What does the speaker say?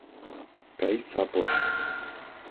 Kaj sapo!